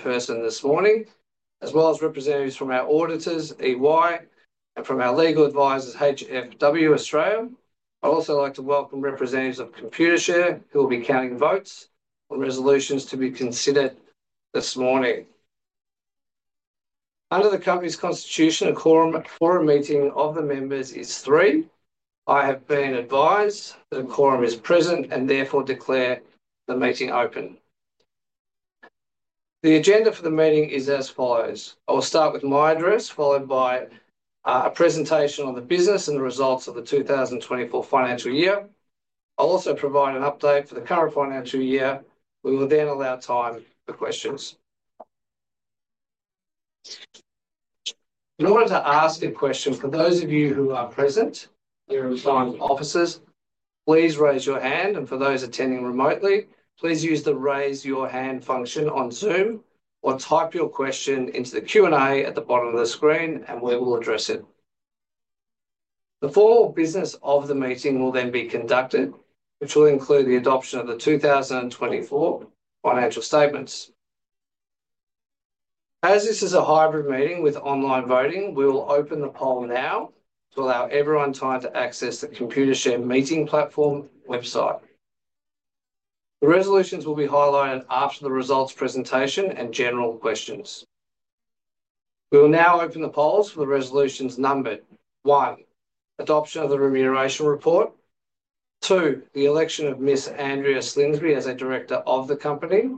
In person this morning, as well as representatives from our auditors, EY, and from our legal advisors, HFW Australia. I'd also like to welcome representatives of Computershare, who will be counting votes on resolutions to be considered this morning. Under the Company's Constitution, a quorum meeting of the members is three. I have been advised that a quorum is present and therefore declare the meeting open. The agenda for the meeting is as follows. I will start with my address, followed by a presentation on the business and the results of the 2024 financial year. I'll also provide an update for the current financial year. We will then allow time for questions. In order to ask a question, for those of you who are present in your assigned offices, please raise your hand. And for those attending remotely, please use the raise your hand function on Zoom or type your question into the Q&A at the bottom of the screen, and we will address it. The formal business of the meeting will then be conducted, which will include the adoption of the 2024 financial statements. As this is a hybrid meeting with online voting, we will open the poll now to allow everyone time to access the Computershare meeting platform website. The resolutions will be highlighted after the results presentation and general questions. We will now open the polls for the resolutions numbered: one, adoption of the remuneration report; two, the election of Miss Andrea Slingsby as a director of the company;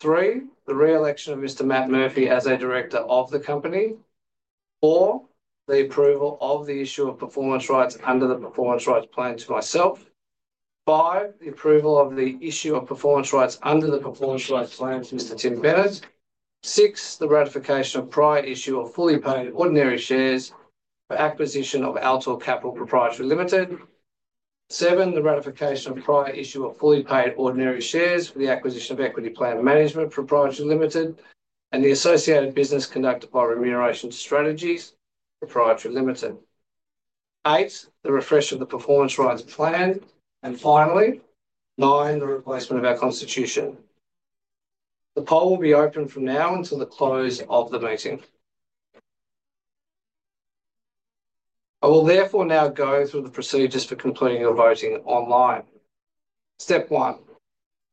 three, the re-election of Mr. Matt Murphy as a director of the company. Four, the approval of the issue of Performance Rights under the Performance Rights Plan to myself. Five, the approval of the issue of Performance Rights under the Performance Rights Plan to Mr. Tim Bennett. Six, the ratification of prior issue of fully paid ordinary shares for acquisition of Altor Capital Pty Ltd. Seven, the ratification of prior issue of fully paid ordinary shares for the acquisition of Equity Plan Management Pty Ltd and the associated business conducted by Remuneration Strategies Pty Ltd. Eight, the refresh of the Performance Rights Plan. And finally, nine, the replacement of our constitution. The poll will be open from now until the close of the meeting. I will therefore now go through the procedures for completing your voting online. Step one,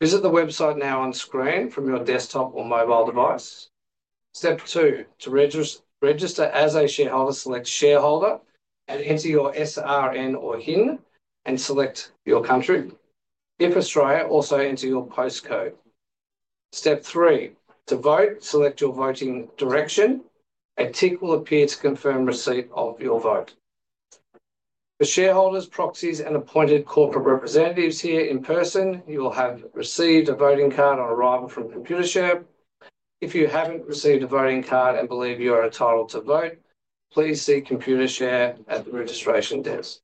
visit the website now on screen from your desktop or mobile device. Step two, to register as a shareholder, select Shareholder and enter your SRN or HIN and select your country. If Australia, also enter your postcode. Step three, to vote, select your voting direction. A tick will appear to confirm receipt of your vote. For shareholders, proxies, and appointed corporate representatives here in person, you will have received a voting card on arrival from Computershare. If you haven't received a voting card and believe you are entitled to vote, please see Computershare at the registration desk.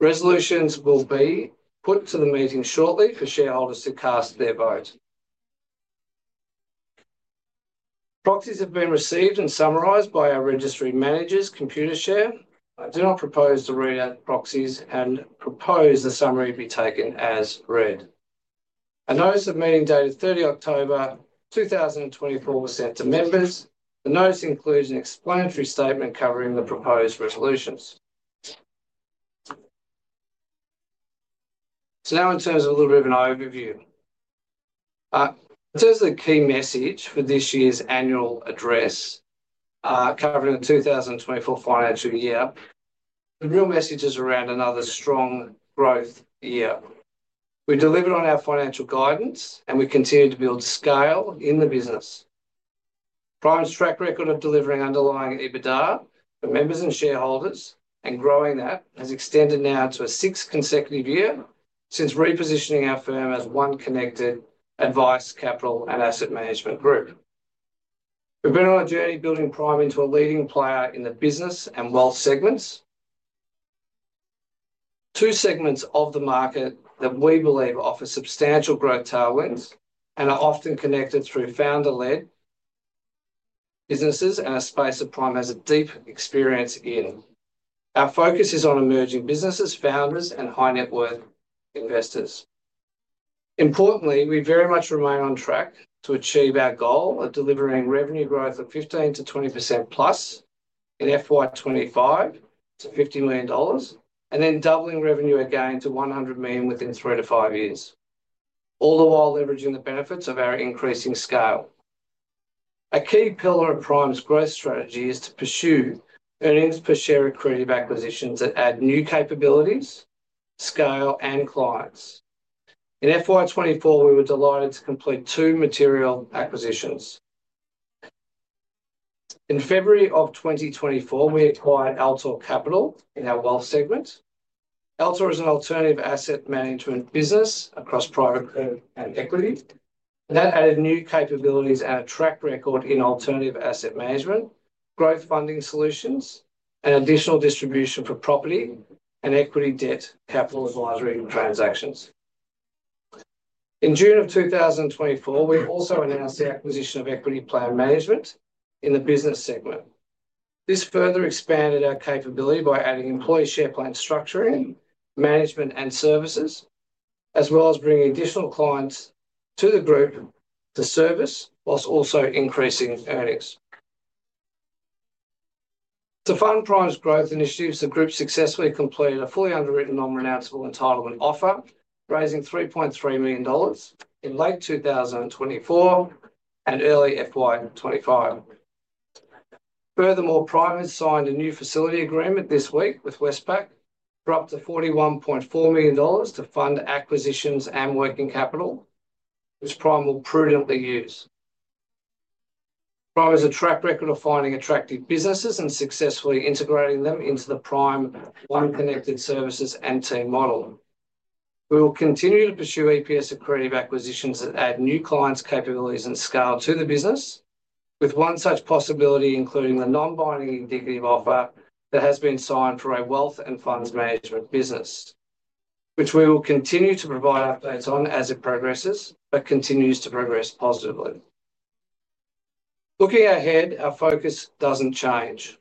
Resolutions will be put to the meeting shortly for shareholders to cast their vote. Proxies have been received and summarized by our registry managers, Computershare. I do not propose to read out the proxies and propose the summary be taken as read. A notice of meeting dated 30 October 2024 was sent to members. The notice includes an explanatory statement covering the proposed resolutions. So now, in terms of a little bit of an overview, in terms of the key message for this year's annual address covering the 2024 financial year, the real message is around another strong growth year. We delivered on our financial guidance, and we continue to build scale in the business. Prime's track record of delivering underlying EBITDA for members and shareholders and growing that has extended now to a sixth consecutive year since repositioning our firm as one connected advice, capital, and asset management group. We've been on a journey building Prime into a leading player in the business and wealth segments, two segments of the market that we believe offer substantial growth tailwinds and are often connected through founder-led businesses and a space that Prime has a deep experience in. Our focus is on emerging businesses, founders, and high-net-worth investors. Importantly, we very much remain on track to achieve our goal of delivering revenue growth of 15%-20% plus in FY25 to AUD 50 million and then doubling revenue again to 100 million within three to five years, all the while leveraging the benefits of our increasing scale. A key pillar of Prime's growth strategy is to pursue earnings per share accretive acquisitions that add new capabilities, scale, and clients. In FY24, we were delighted to complete two material acquisitions. In February of 2024, we acquired Altor Capital in our wealth segment. Altor is an alternative asset management business across private equity, and that added new capabilities and a track record in alternative asset management, growth funding solutions, and additional distribution for property and equity debt capital advisory transactions. In June of 2024, we also announced the acquisition of Equity Plan Management in the business segment. This further expanded our capability by adding employee share plan structuring, management, and services, as well as bringing additional clients to the group to service while also increasing earnings. To fund Prime's growth initiatives, the group successfully completed a fully underwritten, non-renounceable entitlement offer, raising 3.3 million dollars in late 2024 and early FY25. Furthermore, Prime has signed a new facility agreement this week with Westpac for up to AUD 41.4 million to fund acquisitions and working capital, which Prime will prudently use. Prime has a track record of finding attractive businesses and successfully integrating them into the Prime One Connected services and team model. We will continue to pursue EPS accretive acquisitions that add new clients' capabilities and scale to the business, with one such possibility including the non-binding indicative offer that has been signed for a wealth and funds management business, which we will continue to provide updates on as it progresses, but continues to progress positively. Looking ahead, our focus doesn't change.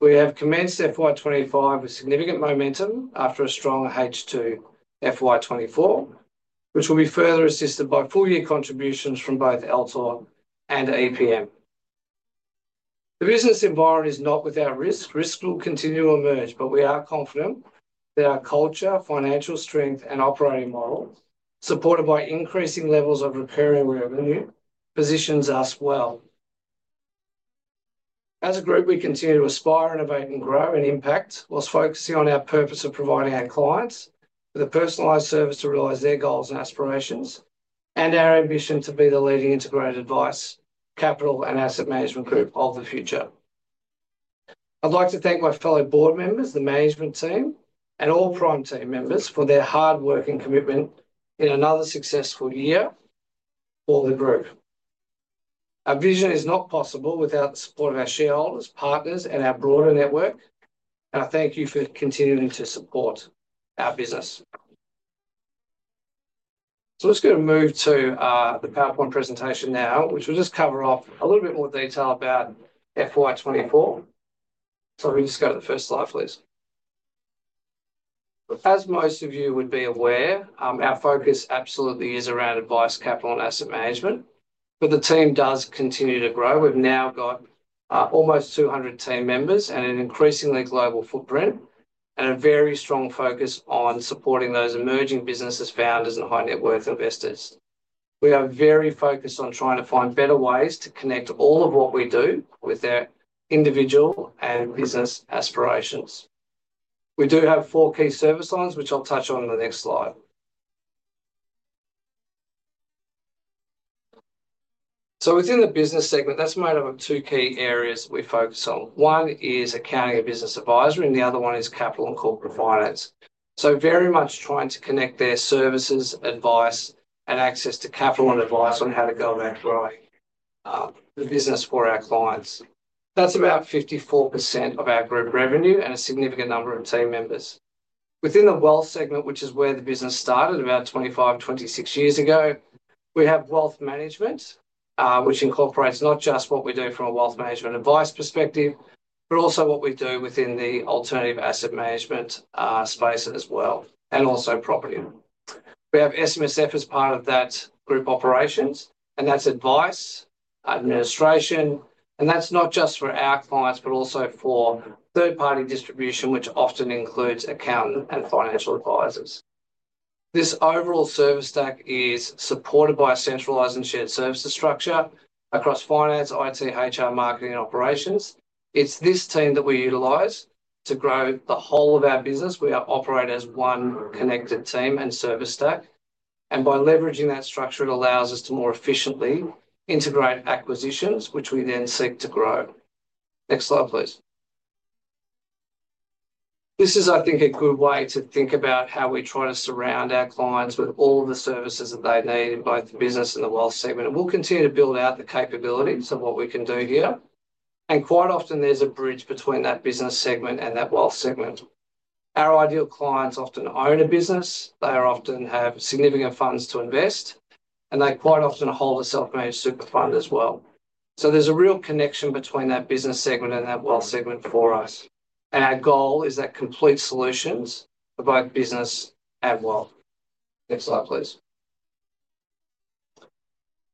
We have commenced FY25 with significant momentum after a strong H2 FY24, which will be further assisted by full-year contributions from both Altor and EPM. The business environment is not without risk. Risk will continue to emerge, but we are confident that our culture, financial strength, and operating model, supported by increasing levels of recurring revenue, positions us well. As a group, we continue to aspire, innovate, and grow in impact whilst focusing on our purpose of providing our clients with a personalized service to realize their goals and aspirations and our ambition to be the leading integrated advice, capital, and asset management group of the future. I'd like to thank my fellow board members, the management team, and all Prime team members for their hard work and commitment in another successful year for the group. Our vision is not possible without the support of our shareholders, partners, and our broader network, and I thank you for continuing to support our business, so let's go and move to the PowerPoint presentation now, which will just cover off a little bit more detail about FY24, so if we just go to the first slide, please. As most of you would be aware, our focus absolutely is around advice, capital, and asset management, but the team does continue to grow. We've now got almost 200 team members and an increasingly global footprint and a very strong focus on supporting those emerging businesses, founders, and high-net-worth investors. We are very focused on trying to find better ways to connect all of what we do with their individual and business aspirations. We do have four key service lines, which I'll touch on in the next slide. So within the business segment, that's made up of two key areas that we focus on. One is accounting and business advisory, and the other one is capital and corporate finance. So very much trying to connect their services, advice, and access to capital and advice on how to go about growing the business for our clients. That's about 54% of our group revenue and a significant number of team members. Within the wealth segment, which is where the business started about 25, 26 years ago, we have wealth management, which incorporates not just what we do from a wealth management advice perspective, but also what we do within the alternative asset management space as well, and also property. We have SMSF as part of that group operations, and that's advice, administration, and that's not just for our clients, but also for third-party distribution, which often includes accountant and financial advisors. This overall service stack is supported by a centralized and shared services structure across finance, IT, HR, marketing, and operations. It's this team that we utilize to grow the whole of our business. We operate as one connected team and service stack, and by leveraging that structure, it allows us to more efficiently integrate acquisitions, which we then seek to grow. Next slide, please. This is, I think, a good way to think about how we try to surround our clients with all of the services that they need in both the business and the wealth segment. We'll continue to build out the capabilities of what we can do here, and quite often there's a bridge between that business segment and that wealth segment. Our ideal clients often own a business. They often have significant funds to invest, and they quite often hold a self-managed super fund as well. So there's a real connection between that business segment and that wealth segment for us, and our goal is that complete solutions for both business and wealth. Next slide, please.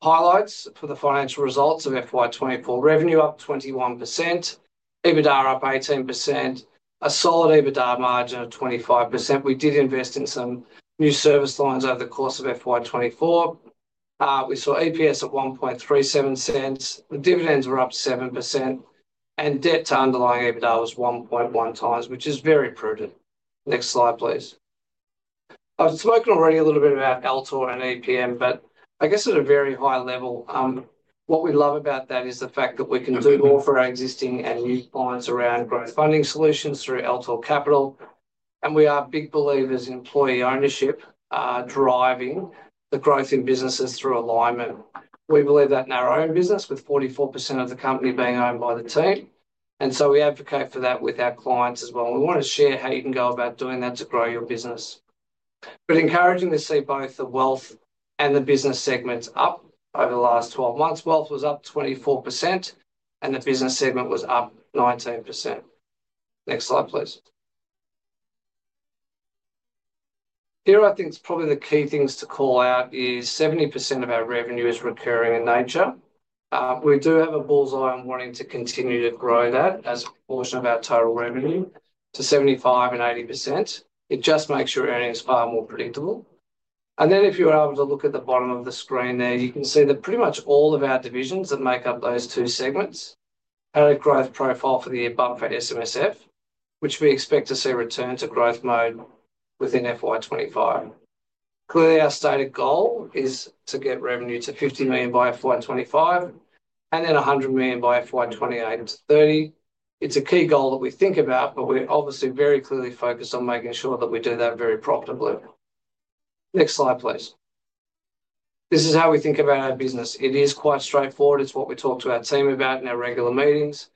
Highlights for the financial results of FY24: revenue up 21%, EBITDA up 18%, a solid EBITDA margin of 25%. We did invest in some new service lines over the course of FY24. We saw EPS at 0.0137. The dividends were up 7%, and debt to underlying EBITDA was 1.1 times, which is very prudent. Next slide, please. I've spoken already a little bit about Altor and EPM, but I guess at a very high level, what we love about that is the fact that we can do more for our existing and new clients around growth funding solutions through Altor Capital, and we are big believers in employee ownership driving the growth in businesses through alignment. We believe that in our own business, with 44% of the company being owned by the team, and so we advocate for that with our clients as well. We want to share how you can go about doing that to grow your business. But, encouraging to see both the wealth and the business segments up over the last 12 months. Wealth was up 24%, and the business segment was up 19%. Next slide, please. Here, I think probably the key things to call out is 70% of our revenue is recurring in nature. We do have a bull's eye on wanting to continue to grow that as a proportion of our total revenue to 75% and 80%. It just makes your earnings far more predictable. And then, if you're able to look at the bottom of the screen there, you can see that pretty much all of our divisions that make up those two segments had a growth profile for the year but for SMSF, which we expect to see return to growth mode within FY25. Clearly, our stated goal is to get revenue to 50 million by FY25 and then 100 million by FY28 and 2030. It's a key goal that we think about, but we're obviously very clearly focused on making sure that we do that very profitably. Next slide, please. This is how we think about our business. It is quite straightforward. It's what we talk to our team about in our regular meetings,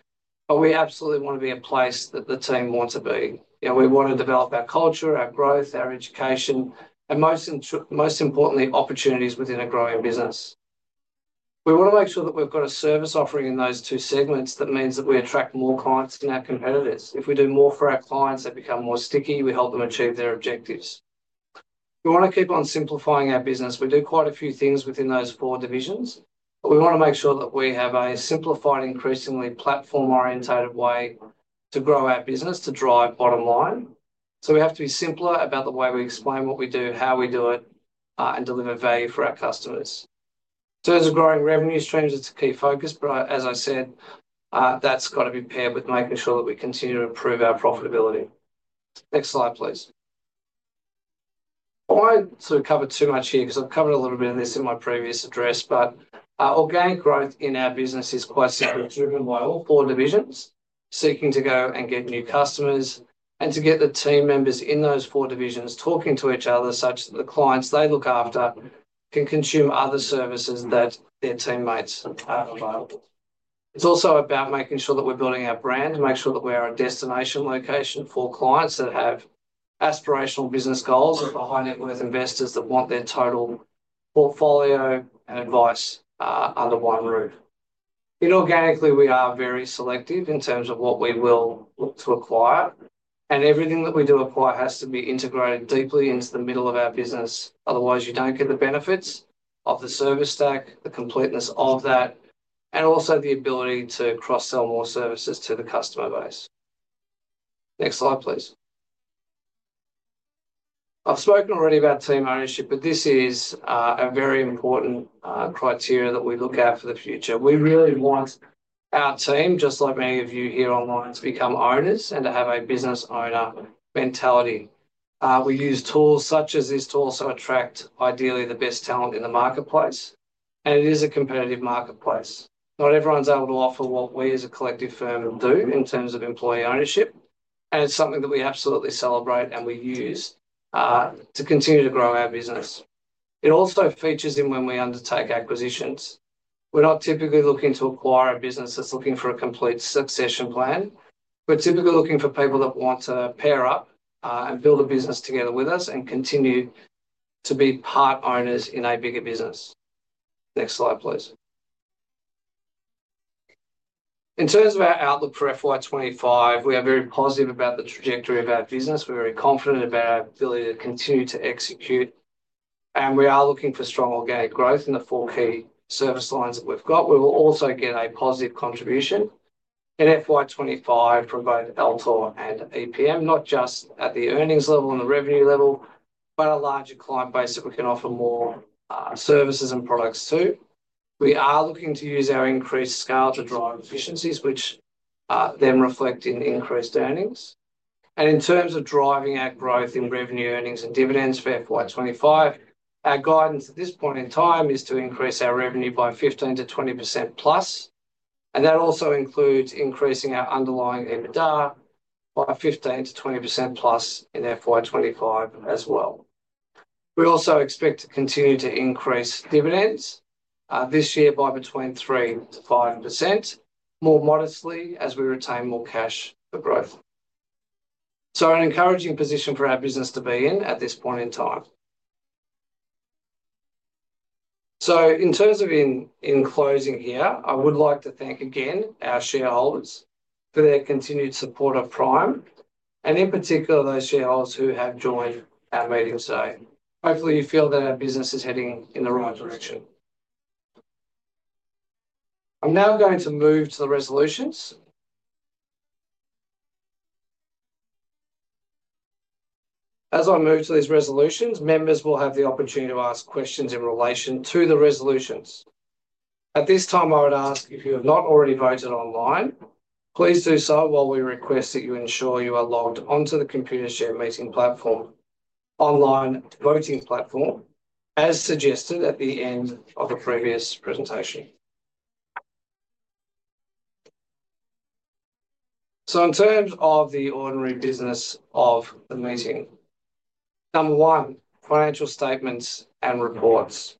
but we absolutely want to be in a place that the team want to be. We want to develop our culture, our growth, our education, and most importantly, opportunities within a growing business. We want to make sure that we've got a service offering in those two segments that means that we attract more clients than our competitors. If we do more for our clients, they become more sticky. We help them achieve their objectives. We want to keep on simplifying our business. We do quite a few things within those four divisions, but we want to make sure that we have a simplified, increasingly platform-oriented way to grow our business to drive bottom line. So we have to be simpler about the way we explain what we do, how we do it, and deliver value for our customers. In terms of growing revenue streams, it's a key focus, but as I said, that's got to be paired with making sure that we continue to improve our profitability. Next slide, please. I won't sort of cover too much here because I've covered a little bit of this in my previous address, but organic growth in our business is quite simply driven by all four divisions seeking to go and get new customers and to get the team members in those four divisions talking to each other such that the clients they look after can consume other services that their teammates are available. It's also about making sure that we're building our brand and make sure that we are a destination location for clients that have aspirational business goals and behind it with investors that want their total portfolio and advice under one roof. Inorganically, we are very selective in terms of what we will look to acquire, and everything that we do acquire has to be integrated deeply into the middle of our business. Otherwise, you don't get the benefits of the service stack, the completeness of that, and also the ability to cross-sell more services to the customer base. Next slide, please. I've spoken already about team ownership, but this is a very important criteria that we look at for the future. We really want our team, just like many of you here online, to become owners and to have a business owner mentality. We use tools such as this tool to attract ideally the best talent in the marketplace, and it is a competitive marketplace. Not everyone's able to offer what we as a collective firm do in terms of employee ownership, and it's something that we absolutely celebrate and we use to continue to grow our business. It also features in when we undertake acquisitions. We're not typically looking to acquire a business that's looking for a complete succession plan. We're typically looking for people that want to pair up and build a business together with us and continue to be part owners in a bigger business. Next slide, please. In terms of our outlook for FY25, we are very positive about the trajectory of our business. We're very confident about our ability to continue to execute, and we are looking for strong organic growth in the four key service lines that we've got. We will also get a positive contribution in FY25 from both Altor and EPM, not just at the earnings level and the revenue level, but a larger client base that we can offer more services and products to. We are looking to use our increased scale to drive efficiencies, which then reflect in increased earnings. And in terms of driving our growth in revenue, earnings, and dividends for FY25, our guidance at this point in time is to increase our revenue by 15%-20% plus, and that also includes increasing our underlying EBITDA by 15%-20% plus in FY25 as well. We also expect to continue to increase dividends this year by between 3%-5% more modestly as we retain more cash for growth, so an encouraging position for our business to be in at this point in time. So in terms of closing here, I would like to thank again our shareholders for their continued support of Prime, and in particular, those shareholders who have joined our meeting today. Hopefully, you feel that our business is heading in the right direction. I'm now going to move to the resolutions. As I move to these resolutions, members will have the opportunity to ask questions in relation to the resolutions. At this time, I would ask if you have not already voted online, please do so while we request that you ensure you are logged onto the Computershare meeting platform online voting platform, as suggested at the end of the previous presentation. So in terms of the ordinary business of the meeting, number one, financial statements and reports.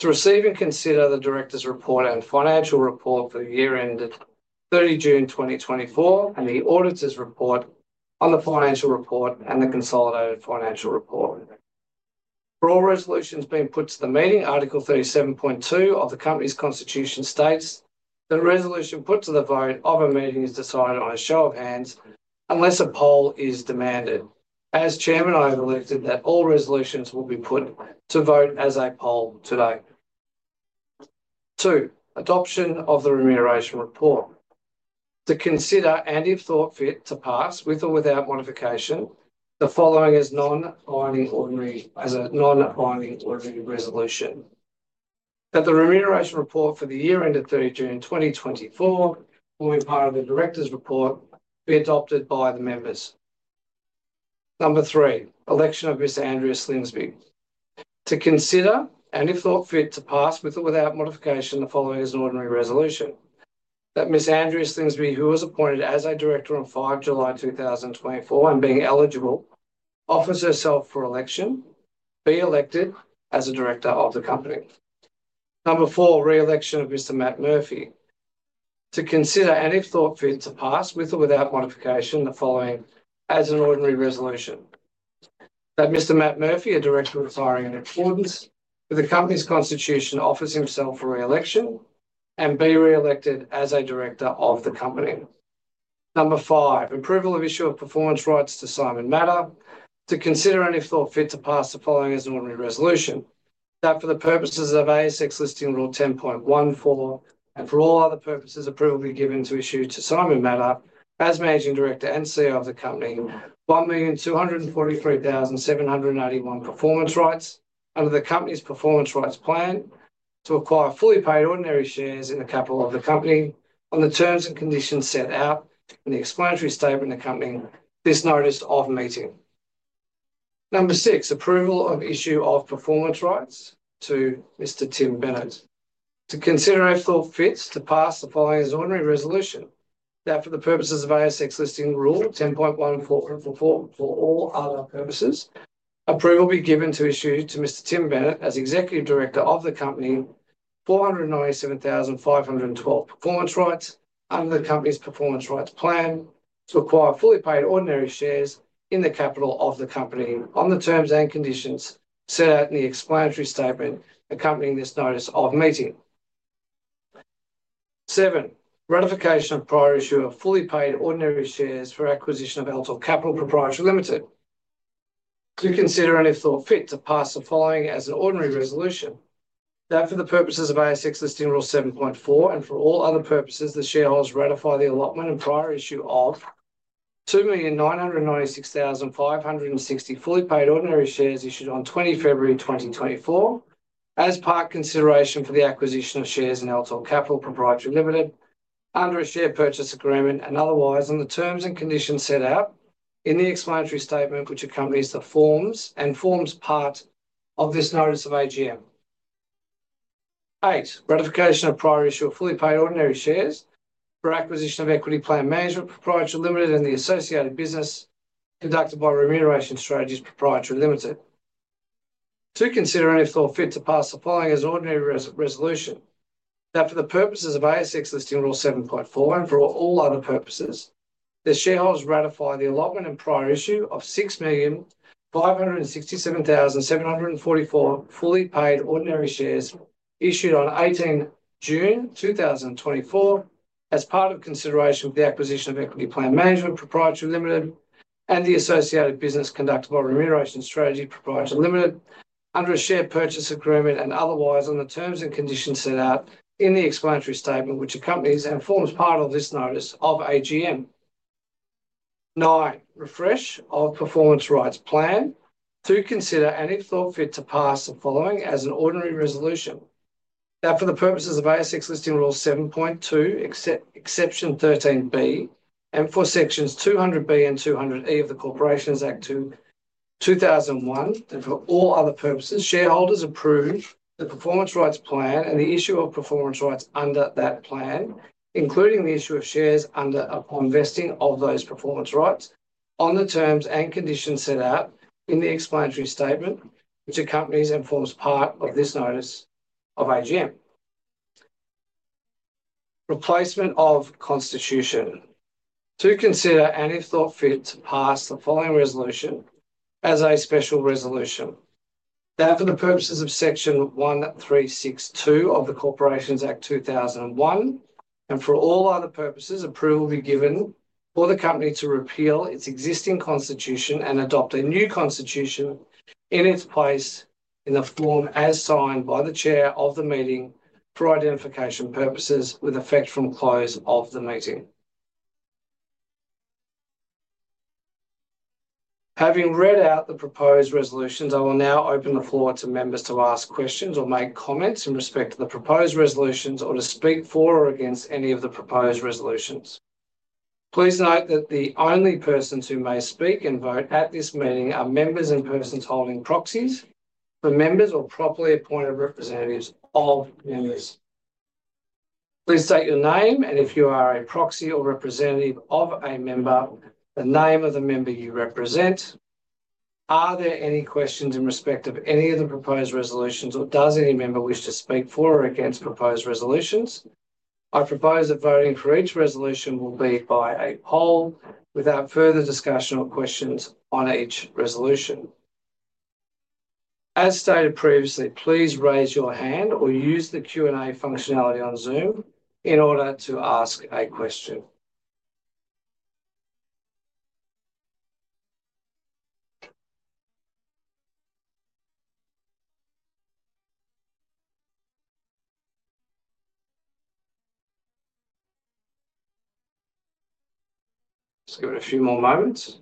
To receive and consider the Director's Report and Financial Report for the year ended 30 June 2024 and the Auditor's Report on the Financial report and the consolidated financial report. For all resolutions being put to the meeting, Article 37.2 of the company's constitution states that a resolution put to the vote of a meeting is decided on a show of hands unless a poll is demanded. As Chairman, I have elected that all resolutions will be put to vote as a poll today. Two, adoption of the remuneration report. To consider and if thought fit to pass with or without modification, the following as a non-binding ordinary resolution. That the remuneration report for the year ended 30 June 2024 will be part of the director's report to be adopted by the members. Number three, election of Miss Andrea Slingsby. To consider and if thought fit to pass with or without modification, the following as an ordinary resolution. That Miss Andrea Slingsby, who was appointed as a director on 5 July 2024 and being eligible, offers herself for election, be elected as a director of the company. Number four, re-election of Mr. Matt Murphy. To consider and if thought fit to pass with or without modification, the following as an ordinary resolution. That Mr. Matt Murphy, a director retiring in accordance with the company's constitution, offers himself for re-election and be re-elected as a director of the company. Number five, approval of issue of Performance Rights to Simon Madder. To consider and if thought fit to pass the following as an ordinary resolution. That for the purposes of ASX Listing Rule 10.14 and for all other purposes, approval be given to issue to Simon Madder as Managing Director and CEO of the company, 1,243,781 Performance Rights under the company's Performance Rights Plan to acquire fully paid ordinary shares in the capital of the company on the terms and conditions set out in the explanatory statement accompanying this notice of meeting. Number six, approval of issue of Performance Rights to Mr. Tim Bennett. To consider and if thought fit to pass the following as an ordinary resolution. That for the purposes of ASX Listing Rule 10.14 and for all other purposes, approval be given to issue to Mr. Tim Bennett as Executive Director of the company, 497,512 performance rights under the company's performance rights plan to acquire fully paid ordinary shares in the capital of the company on the terms and conditions set out in the explanatory statement accompanying this notice of meeting. Seven, ratification of prior issue of fully paid ordinary shares for acquisition of Altor Capital Pty Ltd. To consider and if thought fit to pass the following as an ordinary resolution. That for the purposes of ASX Listing Rule 7.4 and for all other purposes, the shareholders ratify the allotment and prior issue of 2,996,560 fully paid ordinary shares issued on 20 February 2024 as part consideration for the acquisition of shares in Altor Capital Pty Ltd under a share purchase agreement and otherwise on the terms and conditions set out in the explanatory statement which accompanies the forms and forms part of this notice of AGM. Eight, ratification of prior issue of fully paid ordinary shares for acquisition of Equity Plan Management Pty Ltd and the associated business conducted by Remuneration Strategies Pty Ltd. To consider and if thought fit to pass the following as an ordinary resolution. That for the purposes of ASX Listing Rule 7.4 and for all other purposes, the shareholders ratify the allotment and prior issue of 6,567,744 fully paid ordinary shares issued on 18 June 2024 as part of consideration for the acquisition of Equity Plan Management Proprietary Limited and the associated business conducted by Remuneration Strategies Proprietary Limited under a share purchase agreement and otherwise on the terms and conditions set out in the explanatory statement which accompanies and forms part of this notice of AGM. Nine, refresh of performance rights plan. To consider and if thought fit to pass the following as an ordinary resolution. That for the purposes of ASX Listing Rule 7.2, Exception 13B, and for Sections 200B and 200E of the Corporations Act 2001, and for all other purposes, shareholders approve the performance rights plan and the issue of performance rights under that plan, including the issue of shares upon vesting of those performance rights on the terms and conditions set out in the explanatory statement which accompanies and forms part of this notice of AGM. Replacement of constitution. To consider and if thought fit to pass the following resolution as a special resolution. That for the purposes of Section 136(2) of the Corporations Act 2001, and for all other purposes, approval be given for the company to repeal its existing constitution and adopt a new constitution in its place in the form as signed by the chair of the meeting for identification purposes with effect from close of the meeting. Having read out the proposed resolutions, I will now open the floor to members to ask questions or make comments in respect of the proposed resolutions or to speak for or against any of the proposed resolutions. Please note that the only persons who may speak and vote at this meeting are members and persons holding proxies for members or properly appointed representatives of members. Please state your name and if you are a proxy or representative of a member, the name of the member you represent. Are there any questions in respect of any of the proposed resolutions or does any member wish to speak for or against proposed resolutions? I propose that voting for each resolution will be by a poll without further discussion or questions on each resolution. As stated previously, please raise your hand or use the Q&A functionality on Zoom in order to ask a question. Just give it a few more moments.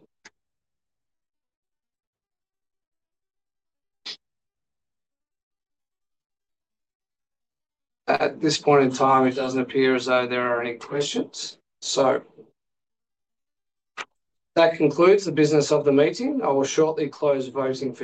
At this point in time, it doesn't appear as though there are any questions. So that concludes the business of the meeting. I will shortly close voting.